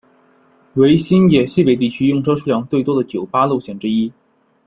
为新界西北地区用车数量最多的九巴路线之一。